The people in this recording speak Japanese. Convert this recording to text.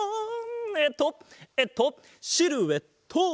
えっとえっとシルエット！